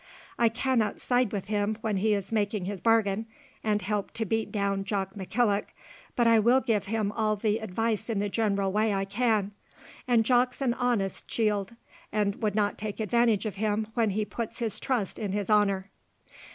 I cannot side with him when he is making his bargain, and help to beat down Jock McKillock, but I will give him all the advice in the general way I can, and Jock's an honest chield, and would not take advantage of him when he puts his trust in his honour."